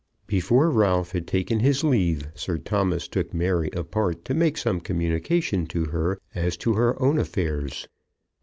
Before Ralph had taken his leave Sir Thomas took Mary apart to make some communication to her as to her own affairs.